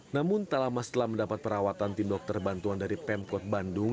namun tak lama setelah mendapat perawatan tim dokter bantuan dari pemkot bandung